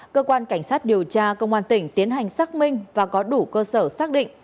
cơ quan cảnh sát điều tra công an tỉnh tiến hành xác minh và có đủ cơ sở xác định